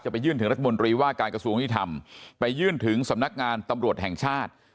ไปยื่นถึงรัฐมนตรีว่าการกระทรวงยุทธรรมไปยื่นถึงสำนักงานตำรวจแห่งชาติ